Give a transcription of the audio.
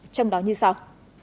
trong đó như sau